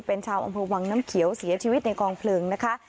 เป็นชาวอำเภอวังน้ำเขียวเสียชีวิตในกองเพลิงนะคะ